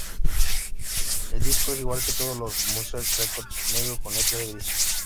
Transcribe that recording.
El disco es igual que todos los de Mushroom Records, negro con letras grises.